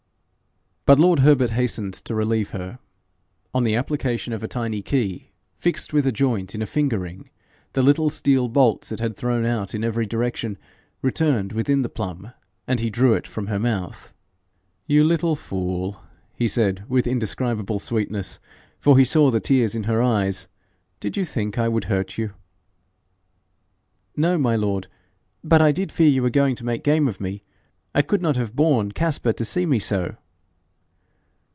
But lord Herbert hastened to relieve her. On the application of a tiny key, fixed with a joint in a finger ring, the little steel bolts it had thrown out in every direction returned within the plum, and he drew it from her mouth. 'You little fool!' he said, with indescribable sweetness, for he saw the tears in her eyes; 'did you think I would hurt you? ' 'No, my lord; but I did fear you were going to make game of me. I could not have borne Caspar to see me so.'